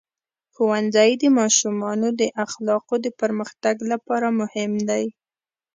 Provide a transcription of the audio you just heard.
ښوونځی د ماشومانو د اخلاقو د پرمختګ لپاره مهم دی.